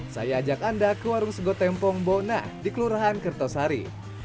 saya ajak anda ke warung segotempong bona di kelurahan kertosari